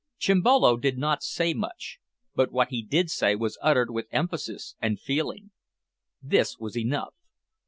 Chimbolo did not say much, but what he did say was uttered with emphasis and feeling. This was enough.